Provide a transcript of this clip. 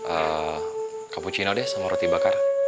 eh cappuccino deh sama roti bakar